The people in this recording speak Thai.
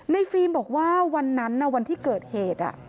ฟิล์มบอกว่าวันนั้นวันที่เกิดเหตุ